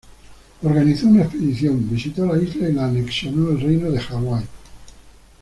Organizó una expedición, visitó la isla y la anexionó al Reino de Hawái.